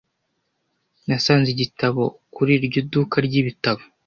Nasanze igitabo kuri iryo duka ryibitabo